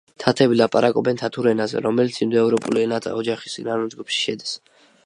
თათები ლაპარაკობენ თათურ ენაზე, რომელიც ინდოევროპულ ენათა ოჯახის ირანულ ჯგუფში შედის.